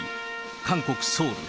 韓国・ソウル。